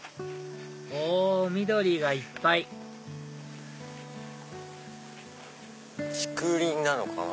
お緑がいっぱい竹林なのかな